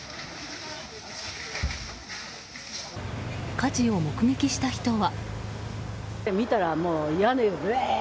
火事を目撃した人は。